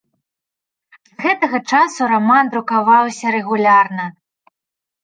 З гэтага часу раман друкаваўся рэгулярна.